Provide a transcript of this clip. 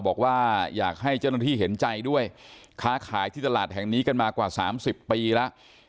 บอกว่าอยากให้เจ้าหน้าที่เห็นใจด้วยค้าขายที่ตลาดแห่งนี้กันมากว่า๓๐ปีแล้ว